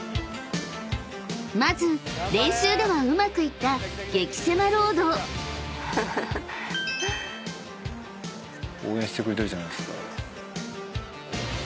［まず練習ではうまくいったゲキ狭ロード］応援してくれてるじゃないですか。